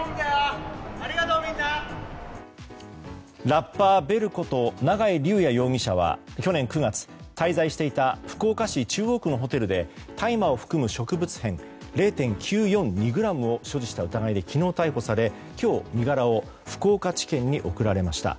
ラッパー、ベルこと永井竜也容疑者は去年９月、滞在していた福岡市中央区のホテルで大麻を含む植物片０．９４２ｇを所持した疑いで昨日逮捕され、今日身柄を福岡地検に送られました。